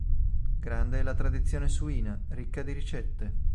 Grande è la tradizione suina, ricca di ricette.